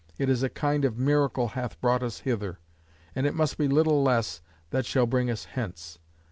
It is a kind of miracle bath brought us hither: and it must be little less, that shall bring us hence.